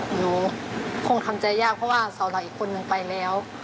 หนูคงทำใจยากเพราะว่าสาวหลักอีกคนนึงไปแล้ว